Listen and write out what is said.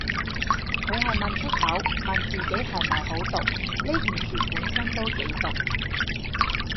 但係問出口，問自己係咪好毒，呢件事本身都幾毒